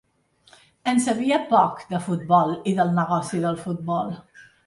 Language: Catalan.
En sabia poc de futbol i del negoci del futbol.